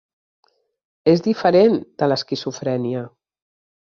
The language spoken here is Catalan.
És diferent de l'esquizofrènia.